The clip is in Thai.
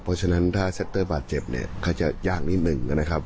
เพราะฉะนั้นถ้าเซ็ตเตอร์บาดเจ็บเนี่ยก็จะยากนิดนึงนะครับ